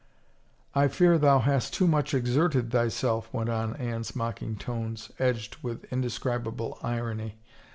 I fear thou hast too much exerted thyself," went on Anne's mocking tones, edged with indescribable irony.